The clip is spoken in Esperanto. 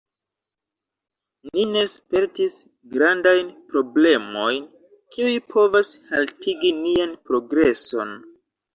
Ni ne spertis grandajn problemojn, kiuj povas haltigi nian progreson